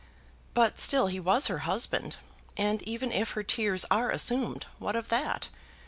"But still he was her husband. And even if her tears are assumed, what of that?